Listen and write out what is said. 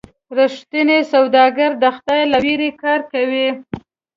رښتینی سوداګر د خدای له ویرې کار کوي.